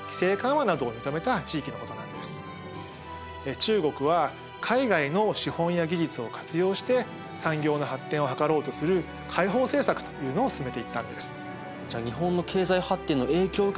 中国は海外の資本や技術を活用して産業の発展を図ろうとする開放政策というのを進めていったんです。